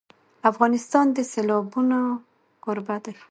افغانستان د سیلابونه کوربه دی.